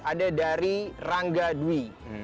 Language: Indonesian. ada dari rangga dwi